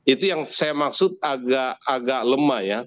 itu yang saya maksud agak lemah ya